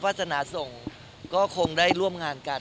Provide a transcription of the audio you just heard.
ศาสนาส่งก็คงได้ร่วมงานกัน